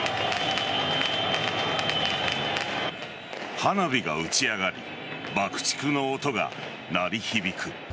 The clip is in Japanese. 花火が打ち上がり爆竹の音が鳴り響く。